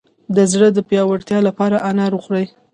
د زړه د پیاوړتیا لپاره انار وخورئ